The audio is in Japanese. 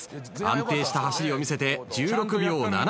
安定した走りを見せて１６秒７９。